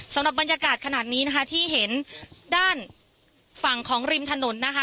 สำหรับบรรยากาศขนาดนี้นะคะที่เห็นด้านฝั่งของริมถนนนะคะ